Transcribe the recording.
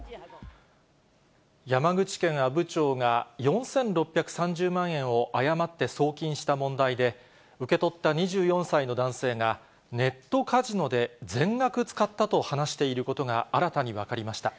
山口県阿武町が４６３０万円を誤って送金した問題で、受け取った２４歳の男性が、ネットカジノで全額使ったと話していることが新たに分かりました。